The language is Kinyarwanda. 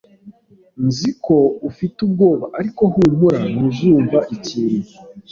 Nzi ko ufite ubwoba, ariko humura, ntuzumva ikintu.